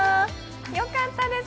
よかったです。